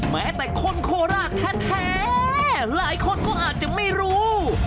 แม้แต่คนโคราชแท้หลายคนก็อาจจะไม่รู้